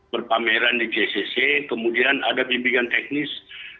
berpameran di jcc kemudian ada bimbingan teknis